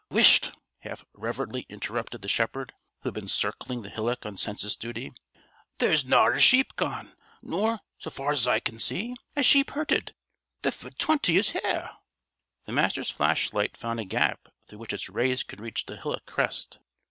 "Whisht!" half reverently interrupted the shepherd, who had been circling the hillock on census duty. "There's na a sheep gone, nor so far's I can see a sheep hurted. The fu' twenty is there." The Master's flashlight found a gap through which its rays could reach the hillock crest.